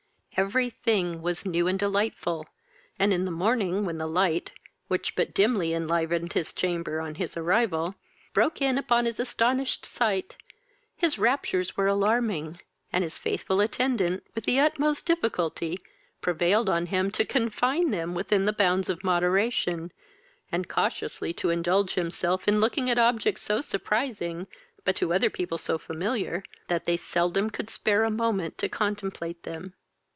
Every thing was new and delightful, and in the morning, when the light (which but dimly enlivened his chamber on his arrival) broke in upon his astonished sight, his raptures were alarming, and his faithful attendant, with the utmost difficulty, prevailed on him to confine them within the bounds of moderation, and cautiously to indulge himself in looking at objects so surprising, but to other people so familiar, they they seldom could spare a moment to contemplate them.